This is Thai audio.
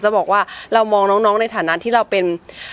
จะบอกว่าเรามองน้องในฐานะที่เราเป็น